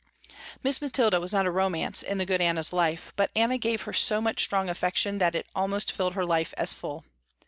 Miss Mathilda was not a romance in the good Anna's life, but Anna gave her so much strong affection that it almost filled her life as full.